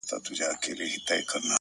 دا ډېوه به ووژنې- ماته چي وهې سترگي-